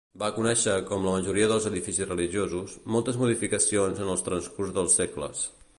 Va conèixer, com la majoria dels edificis religiosos, moltes modificacions en el transcurs dels segles.